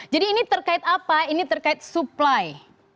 jadi ini terkait apa ini terkait supply